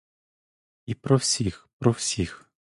І про всіх, про всіх!